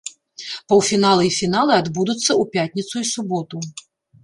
Паўфіналы і фіналы адбудуцца ў пятніцу і суботу.